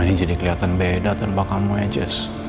rumah ini jadi kelihatan beda tanpa kamu aja